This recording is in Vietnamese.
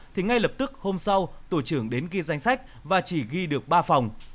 thì ngay lập tức hôm sau tổ trưởng đến ghi danh sách và chỉ ghi được ba phòng